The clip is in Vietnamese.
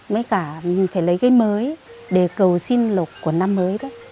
mới cả mình phải lấy cây mới để cầu sinh lục của năm mới đó